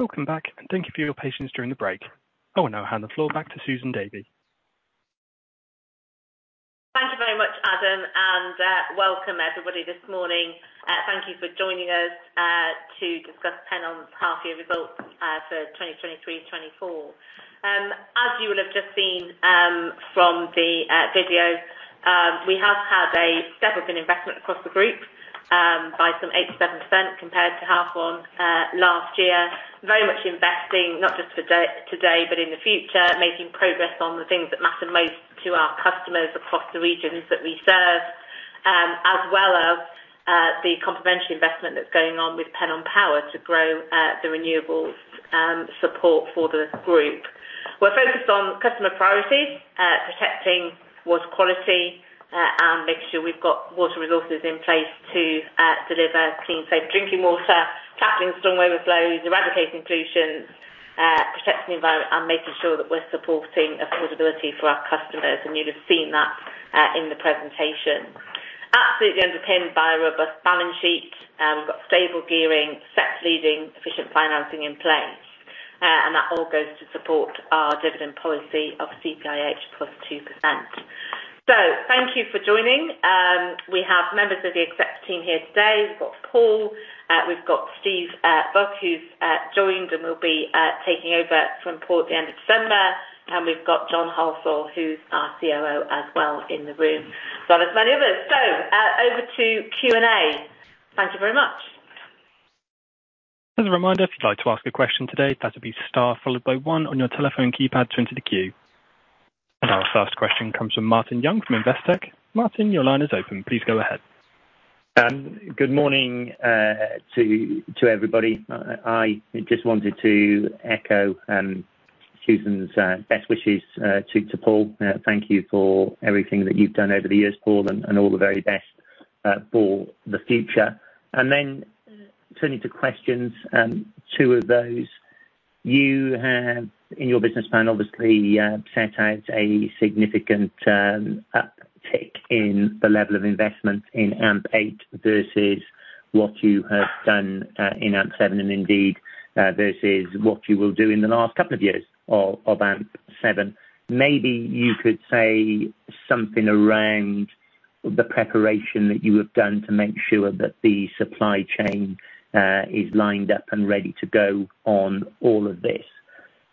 Welcome back, and thank you for your patience during the break. I will now hand the floor back to Susan Davy. Thank you very much, Adam, and welcome, everybody, this morning. Thank you for joining us to discuss Pennon's half year results for 2023-24. As you will have just seen from the video, we have had a step-up in investment across the group by some 87% compared to half one last year. Very much investing, not just for today, but in the future, making progress on the things that matter most to our customers across the regions that we serve. As well as the complementary investment that's going on with Pennon Power to grow the renewables support for the group. We're focused on customer priorities, protecting water quality, and making sure we've got water resources in place to deliver clean, safe drinking water, tackling storm overflows, eradicating pollution, protecting the environment, and making sure that we're supporting affordability for our customers, and you'd have seen that in the presentation. Absolutely underpinned by a robust balance sheet. We've got stable gearing, sector-leading, efficient financing in place, and that all goes to support our dividend policy of CPIH plus 2%. Thank you for joining. We have members of the executive team here today. We've got Paul, we've got Steve Buck, who's joined and will be taking over from Paul at the end of December. And we've got John Halsall, who's our COO, as well, in the room, as well as many others. Over to Q&A. Thank you very much. As a reminder, if you'd like to ask a question today, that'll be star followed by 1 on your telephone keypad to enter the queue. And our first question comes from Martin Young from Investec. Martin, your line is open. Please go ahead. Good morning to everybody. I just wanted to echo Susan's best wishes to Paul. Thank you for everything that you've done over the years, Paul, and all the very best for the future. Then turning to questions, two of those. You have, in your business plan, obviously, set out a significant uptick in the level of investment in AMP8 versus what you have done in AMP7, and indeed, versus what you will do in the last couple of years of AMP7. Maybe you could say something around the preparation that you have done to make sure that the supply chain is lined up and ready to go on all of this.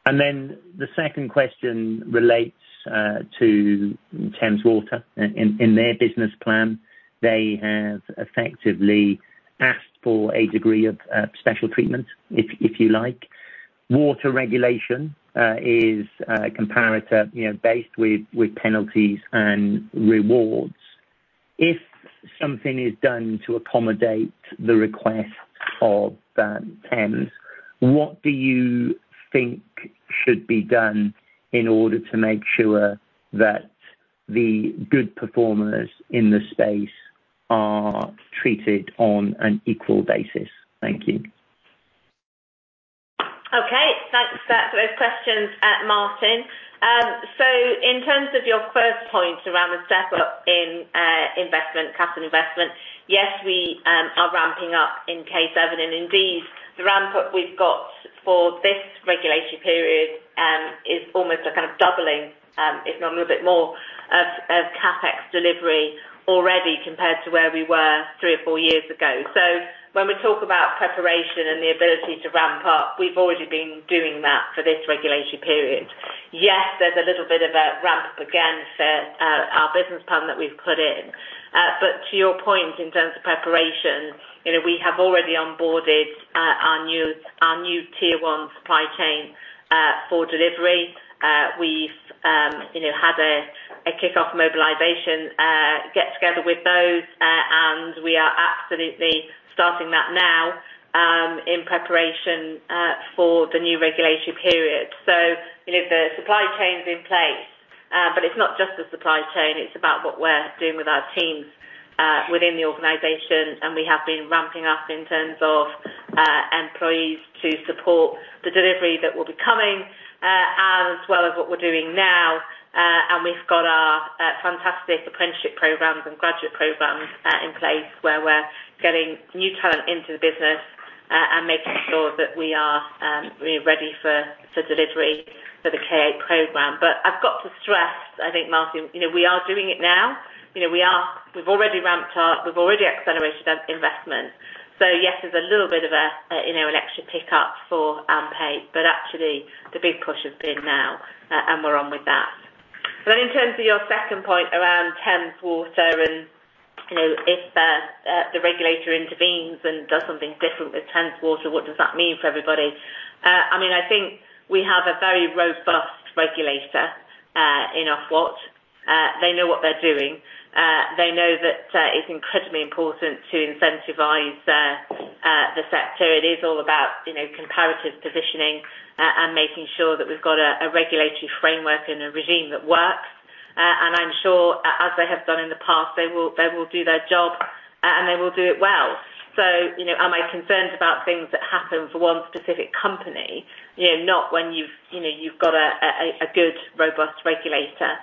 And then the second question relates to Thames Water. In their business plan, they have effectively asked for a degree of special treatment, if you like. Water regulation is a comparator, you know, based with penalties and rewards. If something is done to accommodate the request of Thames, what do you think should be done in order to make sure that the good performers in this space are treated on an equal basis? Thank you. Okay. Thanks for those questions, Martin. So in terms of your first point around the step-up in investment, capital investment, yes, we are ramping up in K7, and indeed, the ramp-up we've got for this regulatory period is almost a kind of doubling, if not a little bit more, of CapEx delivery already, compared to where we were three or four years ago. So when we talk about preparation and the ability to ramp up, we've already been doing that for this regulatory period. Yes, there's a little bit of a ramp again for our business plan that we've put in. But to your point, in terms of preparation, you know, we have already onboarded our new tier one supply chain for delivery. We've, you know, had a kickoff mobilization get together with those, and we are absolutely starting that now, in preparation for the new regulatory period. So, you know, the supply chain's in place, but it's not just the supply chain, it's about what we're doing with our teams within the organization, and we have been ramping up in terms of employees to support the delivery that will be coming, as well as what we're doing now. And we've got our fantastic apprenticeship programs and graduate programs in place, where we're getting new talent into the business, and making sure that we are ready for delivery for the K program. But I've got to stress, I think, Martin, you know, we are doing it now. You know, we are—we've already ramped up. We've already accelerated investment. So yes, there's a little bit of a, you know, an extra pickup for AMP8, but actually, the big push has been now, and we're on with that. Then in terms of your second point around Thames Water, and, you know, if, the regulator intervenes and does something different with Thames Water, what does that mean for everybody? I mean, I think we have a very robust regulator, in Ofwat. They know what they're doing. They know that, it's incredibly important to incentivize, the sector. It is all about, you know, comparative positioning, and making sure that we've got a, a regulatory framework and a regime that works. And I'm sure, as they have done in the past, they will, they will do their job, and they will do it well. So, you know, am I concerned about things that happen for one specific company? You know, not when you've, you know, you've got a good, robust regulator.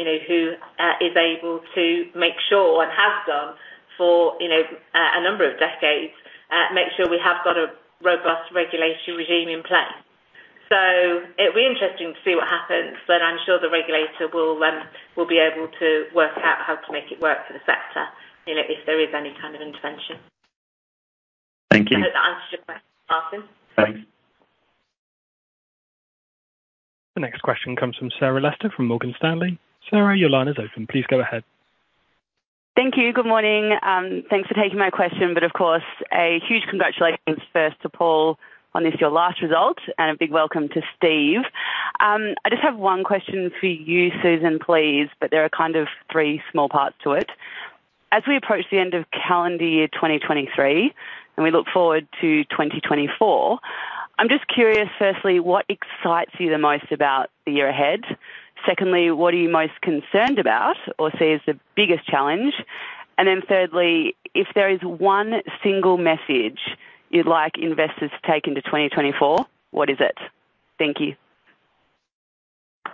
You know, who is able to make sure and have done for, you know, a number of decades, make sure we have got a robust regulation regime in place. So it'll be interesting to see what happens, but I'm sure the regulator will be able to work out how to make it work for the sector, you know, if there is any kind of intervention. Thank you. I hope I answered your question, Martin. Thanks. The next question comes from Sarah Lester, from Morgan Stanley. Sarah, your line is open. Please go ahead. Thank you. Good morning. Thanks for taking my question, but of course, a huge congratulations first to Paul, on this, your last result, and a big welcome to Steve. I just have one question for you, Susan, please, but there are kind of three small parts to it. As we approach the end of calendar year 2023, and we look forward to 2024, I'm just curious, firstly, what excites you the most about the year ahead? Secondly, what are you most concerned about or see as the biggest challenge? And then thirdly, if there is one single message you'd like investors to take into 2024, what is it? Thank you.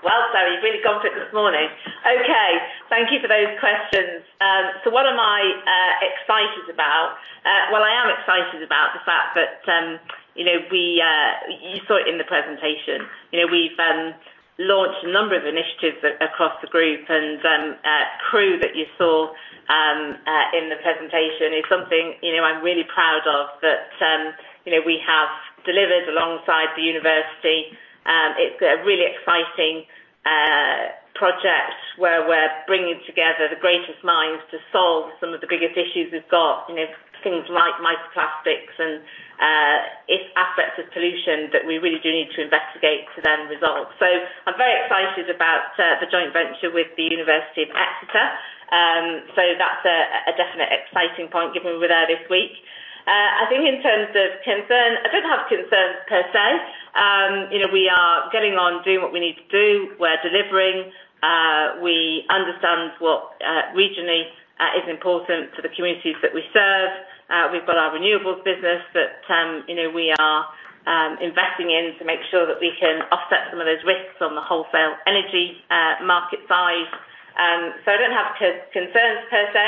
Well, Sarah, you've really gone for it this morning. Okay, thank you for those questions. So what am I excited about? Well, I am excited about the fact that, you know, we, you saw it in the presentation. You know, we've launched a number of initiatives across the group, and, CREWW that you saw in the presentation is something, you know, I'm really proud of, that, you know, we have delivered alongside the university. It's a really exciting project, where we're bringing together the greatest minds to solve some of the biggest issues we've got. You know, things like microplastics and its aspects of pollution that we really do need to investigate to then resolve. So I'm very excited about the joint venture with the University of Exeter. So that's a definite exciting point, given we're there this week. I think in terms of concern, I don't have concerns per se. You know, we are getting on and doing what we need to do. We're delivering, we understand what regionally is important to the communities that we serve. We've got our renewables business that you know, we are investing in to make sure that we can offset some of those risks on the wholesale energy market side. So I don't have concerns per se.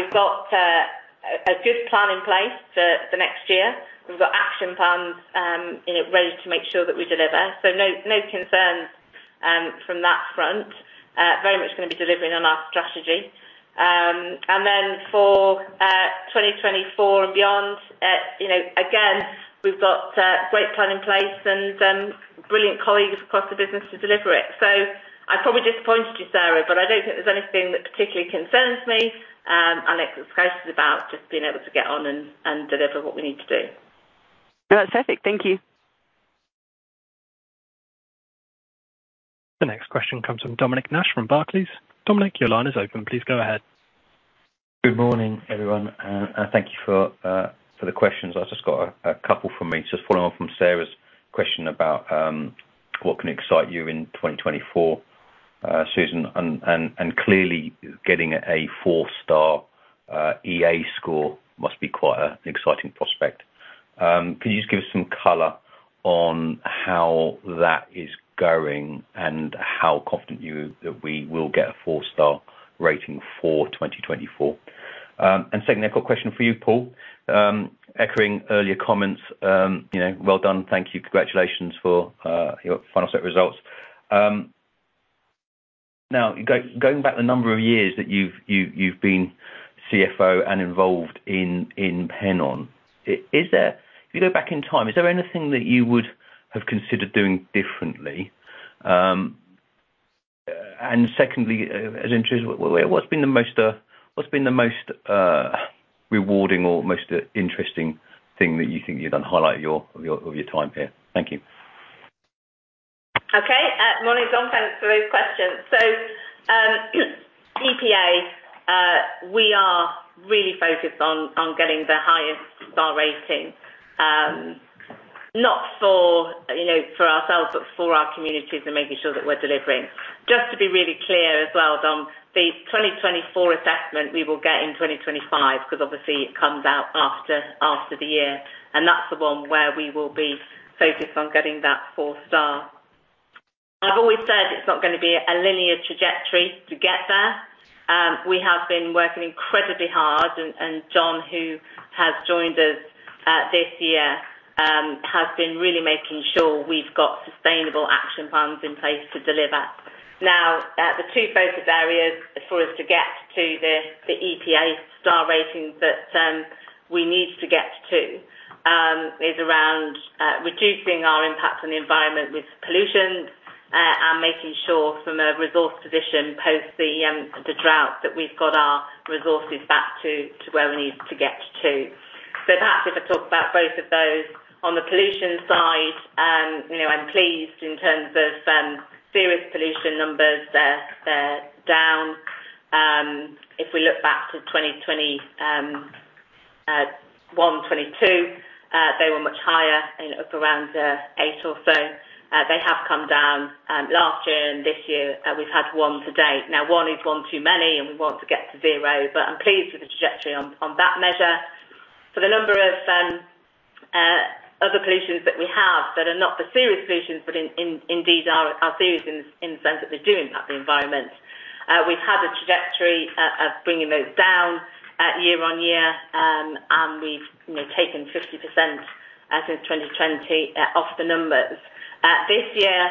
We've got a good plan in place for the next year. We've got action plans, you know, ready to make sure that we deliver. So no, no concerns from that front. Very much gonna be delivering on our strategy. And then for 2024 and beyond, you know, again, we've got a great plan in place and brilliant colleagues across the business to deliver it. So I probably disappointed you, Sarah, but I don't think there's anything that particularly concerns me. And excited about just being able to get on and deliver what we need to do. No, that's perfect. Thank you. The next question comes from Dominic Nash, from Barclays. Dominic, your line is open. Please go ahead. Good morning, everyone, and thank you for the questions. I've just got a couple from me. Just following on from Sarah's question about what can excite you in 2024, Susan, and clearly getting a four-star EA score must be quite an exciting prospect. Can you just give us some color on how that is going, and how confident you that we will get a four-star rating for 2024? And second, I've got a question for you, Paul. Echoing earlier comments, you know, well done. Thank you. Congratulations for your final set of results. Now, going back the number of years that you've been CFO and involved in Pennon. Is there... If you go back in time, is there anything that you would have considered doing differently? And secondly, what's been the most rewarding or most interesting thing that you think you've done, highlight of your time here? Thank you. Okay. Morning, Dom. Thanks for those questions. So, EPA, we are really focused on, on getting the highest star rating. Not for, you know, for ourselves, but for our communities, and making sure that we're delivering. Just to be really clear as well, Dom, the 2024 assessment, we will get in 2025, because obviously it comes out after, after the year, and that's the one where we will be focused on getting that four star. I've always said it's not gonna be a linear trajectory to get there. We have been working incredibly hard, and, and John, who has joined us, this year, has been really making sure we've got sustainable action plans in place to deliver. Now, the two focused areas for us to get to the EPA star rating that we need to get to is around reducing our impact on the environment with pollution and making sure from a resource position, post the drought, that we've got our resources back to where we need to get to. So perhaps if I talk about both of those. On the pollution side, you know, I'm pleased in terms of serious pollution numbers, they're down. If we look back to 2021, 2022, they were much higher, you know, up around 8 or so. They have come down last year and this year. We've had 1 to date. Now, one is one too many, and we want to get to zero, but I'm pleased with the trajectory on that measure. For the number of that are not the serious pollutions, but in indeed, are serious in the sense that they do impact the environment. We've had a trajectory of bringing those down year on year. And we've, you know, taken 50%, as of 2020, off the numbers. This year,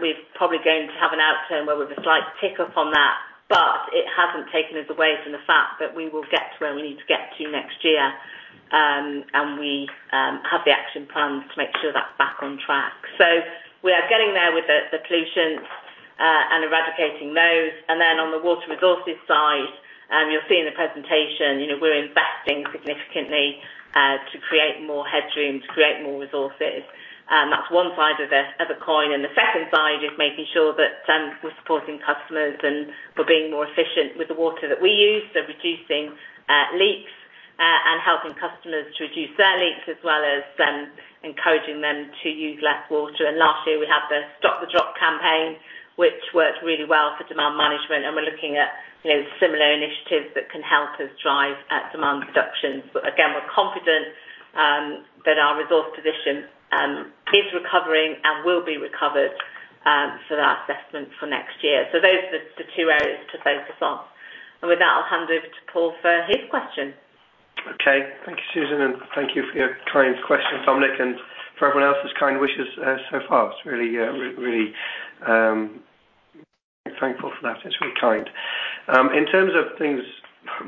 we're probably going to have an outcome where we've a slight tick up on that, but it hasn't taken us away from the fact that we will get to where we need to get to next year. And we have the action plans to make sure that's back on track. So we are getting there with the pollutions and eradicating those. And then on the water resources side, you'll see in the presentation, you know, we're investing significantly to create more headroom, to create more resources. That's one side of the, of the coin, and the second side is making sure that we're supporting customers, and we're being more efficient with the water that we use. So reducing leaks and helping customers to reduce their leaks, as well as encouraging them to use less water. And last year, we had the Stop the Drop campaign, which worked really well for demand management, and we're looking at, you know, similar initiatives that can help us drive demand reductions. But again, we're confident that our resource position is recovering and will be recovered for that assessment for next year. So those are the, the two areas to focus on. With that, I'll hand over to Paul for his question. Okay. Thank you, Susan, and thank you for your kind question, Dominic, and for everyone else's kind wishes so far. It's really thankful for that. It's really kind. In terms of things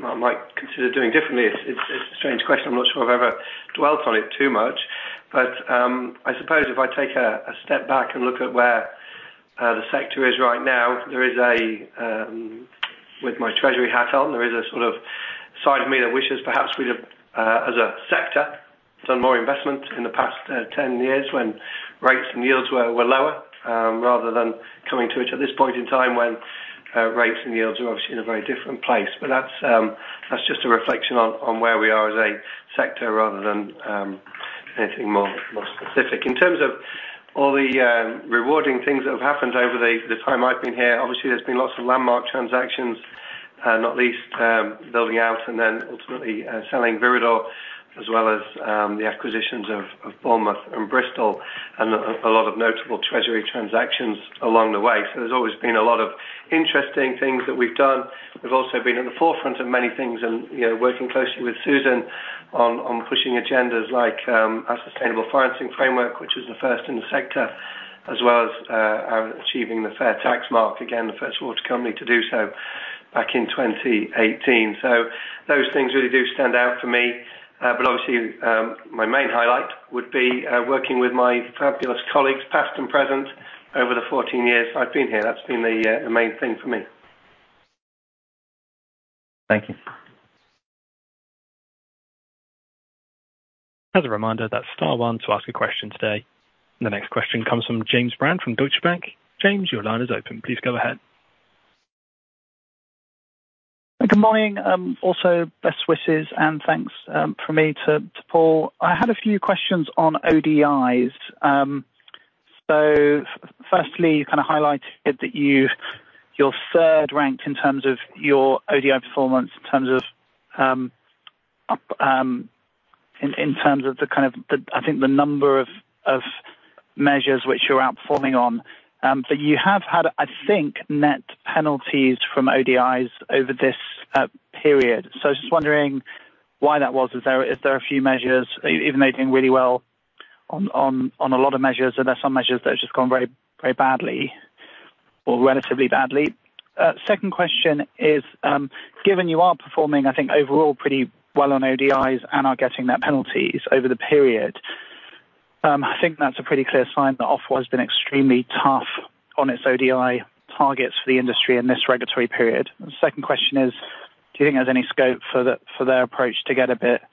I might consider doing differently, it's a strange question. I'm not sure I've ever dwelt on it too much, but I suppose if I take a step back and look at where the sector is right now, there is, with my treasury hat on, a sort of side of me that wishes perhaps we'd have, as a sector, done more investment in the past ten years, when rates and yields were lower rather than coming to it at this point in time, when rates and yields are obviously in a very different place. But that's, that's just a reflection on, on where we are as a sector rather than, anything more, more specific. In terms of all the, rewarding things that have happened over the, the time I've been here, obviously, there's been lots of landmark transactions, not least, building out and then ultimately, selling Viridor, as well as, the acquisitions of, of Bournemouth and Bristol, and a, a lot of notable treasury transactions along the way. So there's always been a lot of interesting things that we've done. We've also been at the forefront of many things and, you know, working closely with Susan on, on pushing agendas like, our Sustainable Financing Framework, which is the first in the sector, as well as, achieving the Fair Tax Mark, again, the first water company to do so back in 2018. Those things really do stand out for me. But obviously, my main highlight would be working with my fabulous colleagues, past and present, over the 14 years I've been here. That's been the main thing for me. Thank you. As a reminder, that's star one to ask a question today. The next question comes from James Brand from Deutsche Bank. James, your line is open. Please go ahead. Good morning. Also best wishes, and thanks, from me to Paul. I had a few questions on ODIs. So firstly, you kind of highlighted that you're third ranked in terms of your ODI performance, in terms of the kind of the... I think the number of measures which you're outperforming on. But you have had, I think, net penalties from ODIs over this period. So just wondering why that was. Is there a few measures, even though you're doing really well on a lot of measures, are there some measures that have just gone very, very badly or relatively badly? Second question is, given you are performing, I think overall, pretty well on ODIs and are getting net penalties over the period, I think that's a pretty clear sign that Ofwat has been extremely tough on its ODI targets for the industry in this regulatory period. The second question is: do you think there's any scope for their approach to get a bit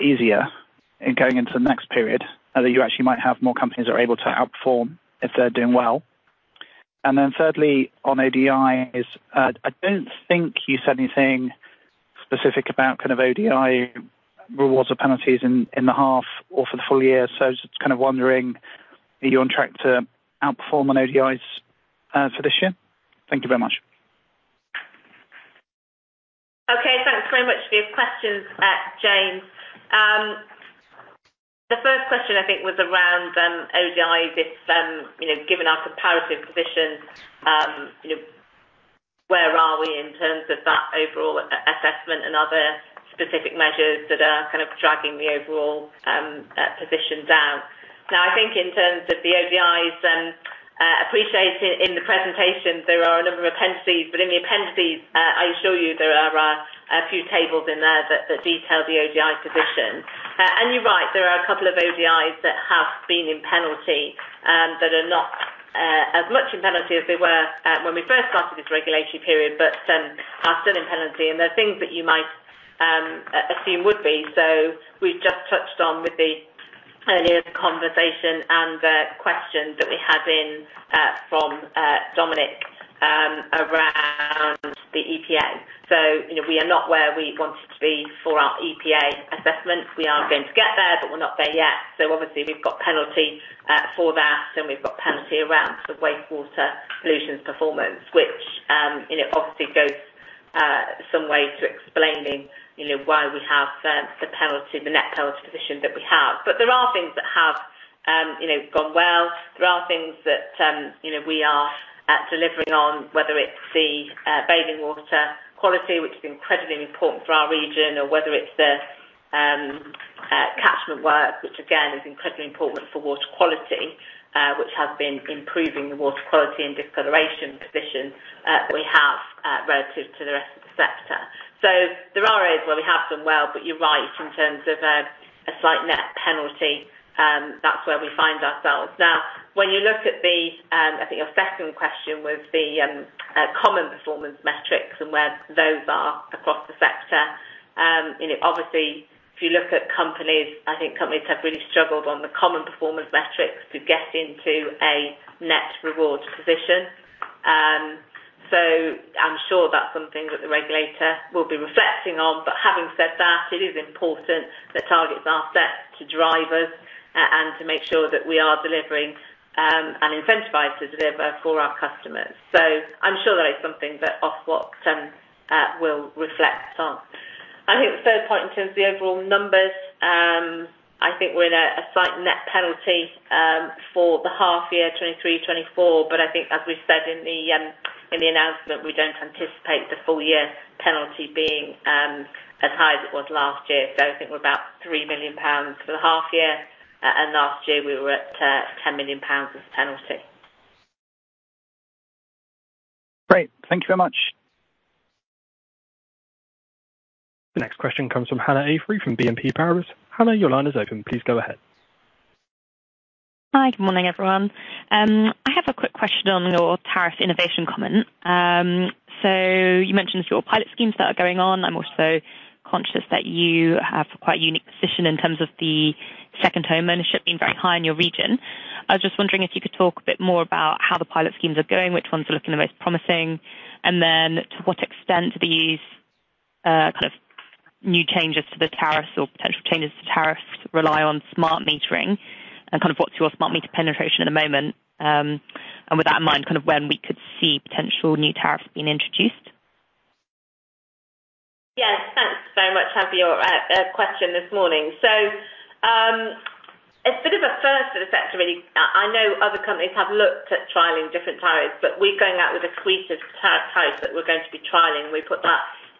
easier in going into the next period? Now that you actually might have more companies that are able to outperform if they're doing well. And then thirdly, on ODIs, I don't think you said anything specific about kind of ODI rewards or penalties in the half or for the full year. So I was just kind of wondering, are you on track to outperform on ODIs for this year? Thank you very much. Okay. Thanks very much for your questions, James. The first question, I think, was around ODIs. If you know, given our comparative position, you know, where are we in terms of that overall assessment and other specific measures that are kind of dragging the overall position down? Now, I think in terms of the ODIs, appreciate in the presentation, there are a number of appendices, but in the appendices, I assure you there are a few tables in there that detail the ODI position. You're right, there are a couple of ODIs that have been in penalty that are not as much in penalty as they were when we first started this regulatory period, but are still in penalty, and they're things that you might assume would be. So we've just touched on with the earlier conversation and the question that we had in from Dominic around the EPA. So, you know, we are not where we wanted to be for our EPA assessment. We are going to get there, but we're not there yet. So obviously, we've got penalty for that, then we've got penalty around the wastewater pollution performance, which, you know, obviously goes some way to explaining, you know, why we have the penalty, the net penalty position that we have. But there are things that have, you know, gone well. There are things that, you know, we are delivering on, whether it's the bathing water quality, which is incredibly important for our region, or whether it's the catchment work, which again is incredibly important for water quality, which has been improving the water quality and discoloration position that we have relative to the rest of the sector. So there are areas where we have done well, but you're right, in terms of a slight net penalty, that's where we find ourselves. Now, when you look at the, I think your second question was the common performance metrics and where those are across the sector. You know, obviously, if you look at companies, I think companies have really struggled on the common performance metrics to get into a net reward position. So I'm sure that's something that the regulator will be reflecting on. But having said that, it is important that targets are set to drive us and to make sure that we are delivering and incentivized to deliver for our customers. So I'm sure that is something that Ofwat will reflect on. I think the third point, in terms of the overall numbers, I think we're in a slight net penalty for the half year, 2023-2024. But I think as we've said in the announcement, we don't anticipate the full year penalty being as high as it was last year. So I think we're about 3 million pounds for the half year, and last year we were at 10 million pounds as penalty. Great. Thank you very much. The next question comes from Hannah Avery, from BNP Paribas. Hannah, your line is open. Please go ahead. Hi, good morning, everyone. I have a quick question on your tariff innovation comment. So you mentioned your pilot schemes that are going on. I'm also conscious that you have quite a unique position in terms of the second home ownership being very high in your region. I was just wondering if you could talk a bit more about how the pilot schemes are going, which ones are looking the most promising, and then to what extent these, kind of new changes to the tariffs or potential changes to tariffs rely on smart metering and kind of what's your smart meter penetration at the moment? And with that in mind, kind of when we could see potential new tariffs being introduced? Yes, thanks very much for your question this morning. So, it's a bit of a first for the sector, really. I know other companies have looked at trialing different tariffs, but we're going out with the sweetest tariffs that we're going to be trialing. We put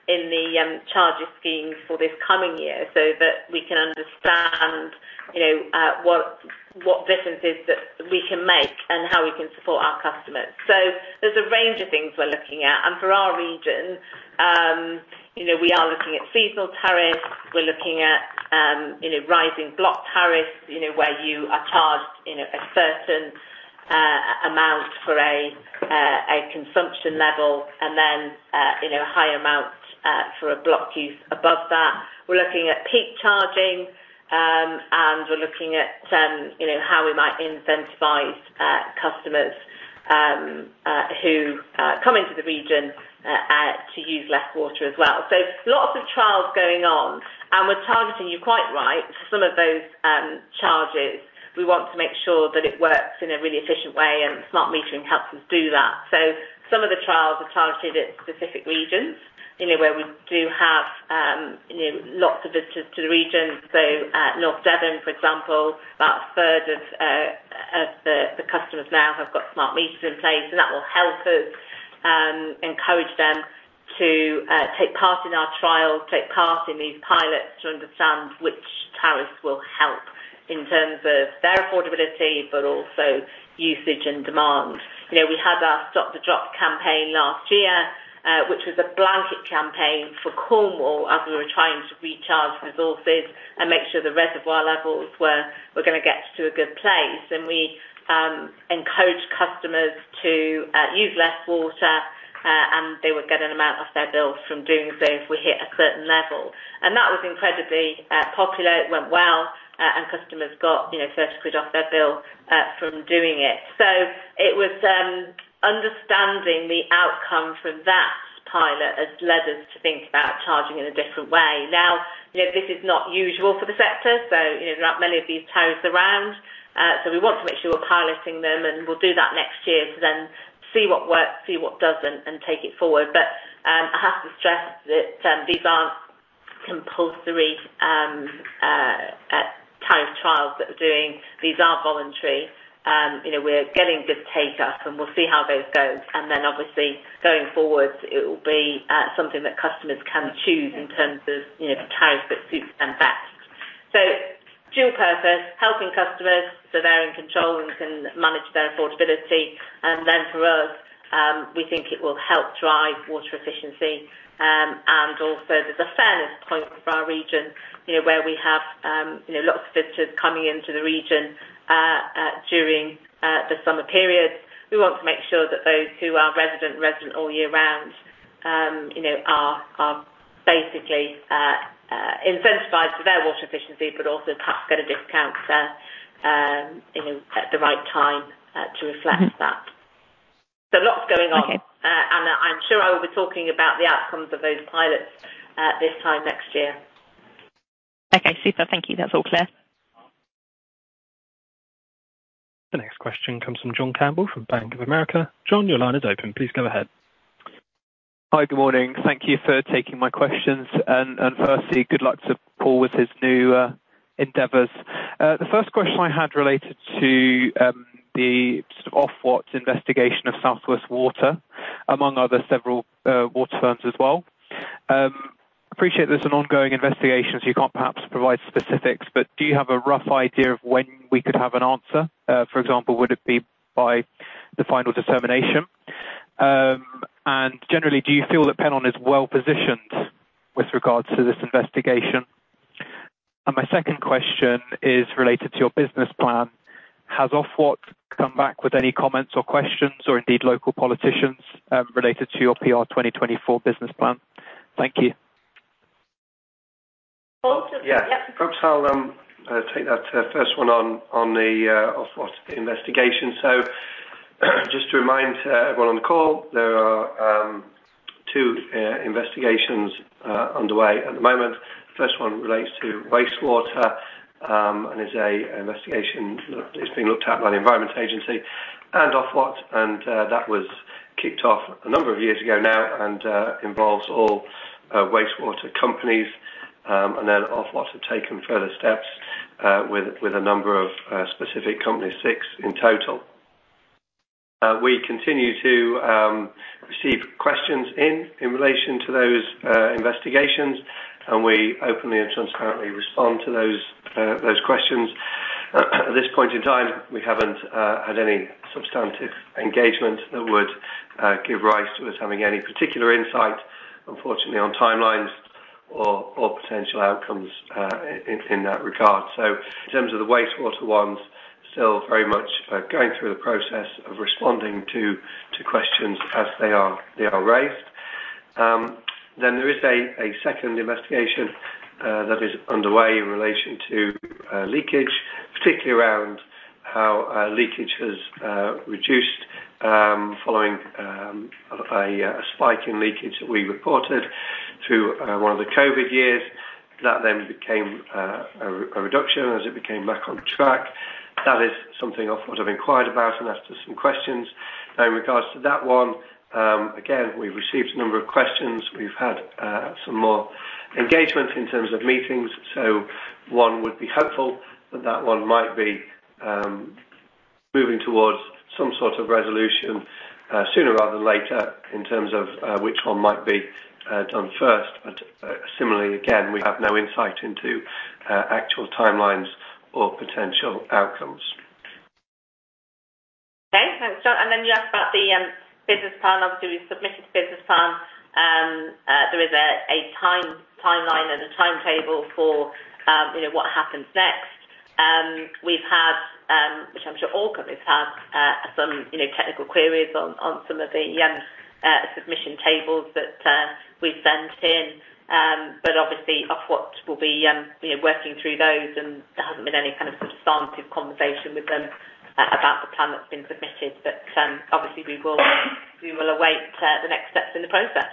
that in the charges scheme for this coming year so that we can understand, you know, what, what differences that we can make and how we can support our customers. So there's a range of things we're looking at, and for our region, you know, we are looking at seasonal tariffs. We're looking at, you know, rising block tariffs, you know, where you are charged, you know, a certain amount for a a consumption level and then, you know, a higher amount for a block use above that. We're looking at peak charging, and we're looking at, you know, how we might incentivize customers who come into the region to use less water as well. So lots of trials going on, and we're targeting, you're quite right, some of those charges. We want to make sure that it works in a really efficient way, and smart metering helps us do that. So some of the trials are targeted at specific regions, you know, where we do have, you know, lots of visitors to the region. So, North Devon, for example, about a third of the customers now have got smart meters in place, and that will help us encourage them to take part in our trials, take part in these pilots, to understand which tariffs will help in terms of their affordability, but also usage and demand. You know, we had our Stop the Drop campaign last year, which was a blanket campaign for Cornwall, as we were trying to recharge resources and make sure the reservoir levels were gonna get to a good place. We encouraged customers to use less water, and they would get an amount off their bill from doing so if we hit a certain level. That was incredibly popular. It went well, and customers got, you know, 30 quid off their bill, from doing it. So it was, understanding the outcome from that pilot has led us to think about charging in a different way. Now, you know, this is not usual for the sector, so, you know, there aren't many of these tariffs around, so we want to make sure we're piloting them, and we'll do that next year to then see what works, see what doesn't, and take it forward. But, I have to stress that, these aren't compulsory, tariff trials that we're doing. These are voluntary. You know, we're getting good take-up, and we'll see how those go. And then, obviously, going forward, it will be, something that customers can choose in terms of, you know, the tariff that suits them best. So dual purpose, helping customers so they're in control and can manage their affordability. And then for us, we think it will help drive water efficiency. And also, there's a fairness point for our region, you know, where we have, you know, lots of visitors coming into the region, during the summer period. We want to make sure that those who are resident, resident all year round, you know, are, are basically, incentivized for their water efficiency, but also perhaps get a discount, you know, at the right time, to reflect that. So lots going on. Okay.... talking about the outcomes of those pilots, this time next year. Okay, super. Thank you. That's all clear. The next question comes from John Campbell from Bank of America. John, your line is open. Please go ahead. Hi. Good morning. Thank you for taking my questions. And firstly, good luck to Paul with his new endeavors. The first question I had related to the Ofwat investigation of South West Water, among other several water firms as well. Appreciate this is an ongoing investigation, so you can't perhaps provide specifics, but do you have a rough idea of when we could have an answer? For example, would it be by the final determination? And generally, do you feel that Pennon is well-positioned with regards to this investigation? My second question is related to your business plan. Has Ofwat come back with any comments or questions, or indeed, local politicians related to your PR 2024 business plan? Thank you. Paul? Yeah. Yep. Perhaps I'll take that first one on the Ofwat investigation. So just to remind everyone on the call, there are two investigations underway at the moment. First one relates to wastewater and is an investigation that is being looked at by the Environment Agency and Ofwat, and that was kicked off a number of years ago now and involves all wastewater companies. And then Ofwat have taken further steps with a number of specific companies, six in total. We continue to receive questions in relation to those investigations, and we openly and transparently respond to those questions. At this point in time, we haven't had any substantive engagement that would give rise to us having any particular insight, unfortunately, on timelines or potential outcomes in that regard. So in terms of the wastewater ones, still very much going through the process of responding to questions as they are raised. Then there is a second investigation that is underway in relation to leakage, particularly around how leakage has reduced following a spike in leakage that we reported through one of the COVID years. That then became a reduction as it became back on track. That is something Ofwat have inquired about and asked us some questions. In regards to that one, again, we've received a number of questions. We've had some more engagement in terms of meetings, so one would be hopeful that that one might be moving towards some sort of resolution sooner rather than later, in terms of which one might be done first. But similarly, again, we have no insight into actual timelines or potential outcomes. Okay, thanks, John. And then you asked about the business plan. Obviously, we submitted the business plan. There is a timeline and a timetable for, you know, what happens next. We've had, which I'm sure Ofwat has had, some, you know, technical queries on, on some of the submission tables that we've sent in. But obviously Ofwat will be, you know, working through those, and there hasn't been any kind of substantive conversation with them about the plan that's been submitted. But, obviously, we will, we will await the next steps in the process.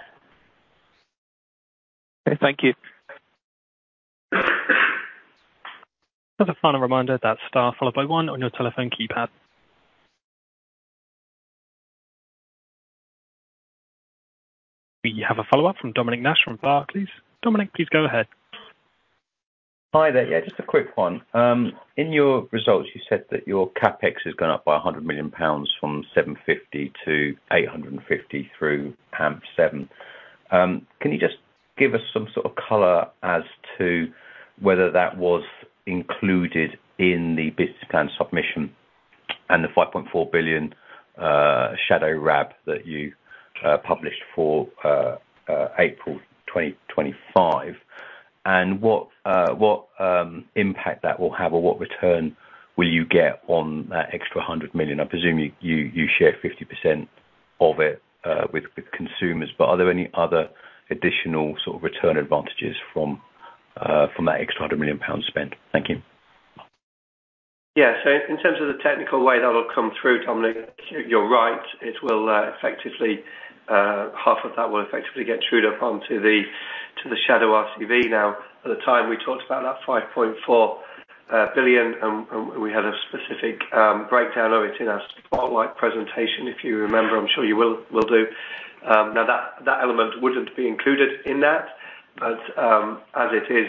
Okay, thank you. Just a final reminder, that's star followed by one on your telephone keypad. We have a follow-up from Dominic Nash from Barclays. Dominic, please go ahead. Hi there. Yeah, just a quick one. In your results, you said that your CapEx has gone up by 100 million pounds from 750 million to 850 million through AMP7. Can you just give us some sort of color as to whether that was included in the business plan submission and the 5.4 billion shadow RAB that you published for April 2025? And what impact that will have or what return will you get on that extra 100 million? I presume you share 50% of it with consumers, but are there any other additional sort of return advantages from that extra 100 million pounds spent? Thank you. Yeah. So in terms of the technical way that will come through, Dominic, you're right. It will effectively half of that will effectively get through up onto the to the shadow RCV now. At the time we talked about that 5.4 billion and we had a specific breakdown of it in our spotlight presentation, if you remember. I'm sure you will do. Now that element wouldn't be included in that, but as it is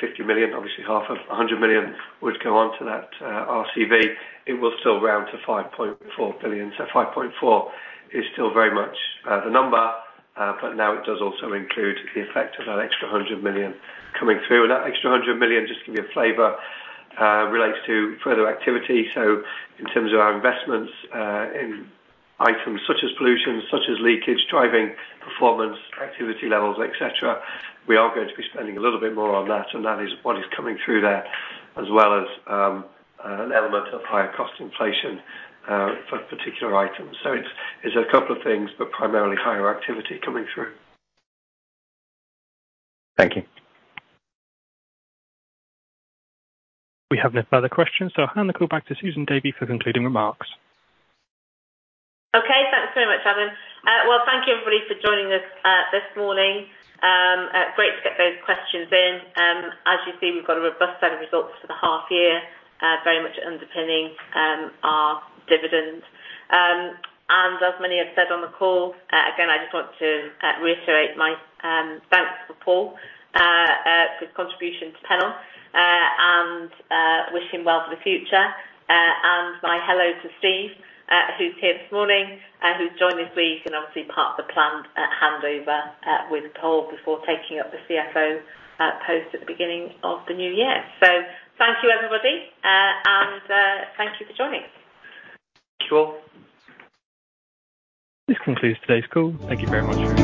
50 million, obviously half of 100 million would go on to that RCV. It will still round to 5.4 billion. So 5.4 is still very much the number, but now it does also include the effect of that extra 100 million coming through. That extra 100 million, just to give you a flavor, relates to further activity. In terms of our investments, in items such as pollution, such as leakage, driving, performance, activity levels, et cetera, we are going to be spending a little bit more on that, and that is what is coming through there, as well as, an element of higher cost inflation, for particular items. It's, it's a couple of things, but primarily higher activity coming through. Thank you. We have no further questions, so I'll hand the call back to Susan Davy for concluding remarks. Okay. Thanks so much, Evan. Well, thank you everybody for joining us this morning. Great to get those questions in. As you've seen, we've got a robust set of results for the half year, very much underpinning our dividend. As many have said on the call, again, I just want to reiterate my thanks for Paul for his contribution to Pennon, and wish him well for the future. And my hello to Steve, who's here this morning, who's joined this week and obviously part of the planned handover with Paul before taking up the CFO post at the beginning of the new year. So thank you, everybody. And thank you for joining. Sure. This concludes today's call. Thank you very much.